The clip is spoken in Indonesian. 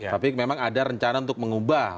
tapi memang ada rencana untuk mengubah